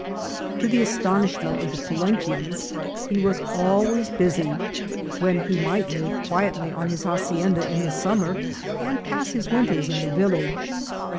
To the astonishment of the Palenquians, he was always busy, when he might live quietly on his hacienda in the summer, and pass .his winters in the village.